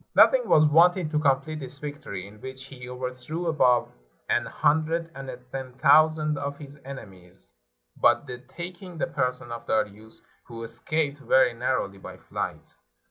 Nothing was wanting to complete this victory, in which he overthrew above an hundred and ten thousand of his enemies, but the taking the person of Darius, who escaped very narrowly by flight.